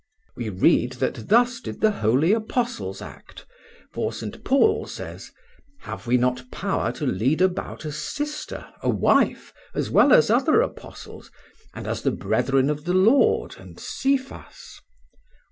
We read that thus did the holy apostles act, for St. Paul says: 'Have we not power to lead about a sister, a wife, as well as other apostles, and as the brethren of the Lord, and Cephas?'